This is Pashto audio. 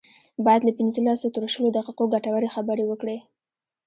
بايد له پنځلسو تر شلو دقيقو ګټورې خبرې وکړي.